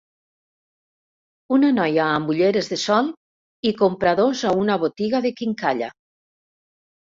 Una noia amb ulleres de sol i compradors a una botiga de quincalla.